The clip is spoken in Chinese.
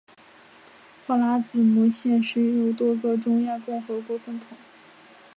花剌子模现时由多个中亚共和国分统。